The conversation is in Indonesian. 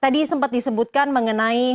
jadi biasanya brigade gelang